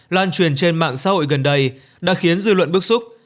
lan truyền trên mạng xã hội gần đây đã khiến dư luận bức xúc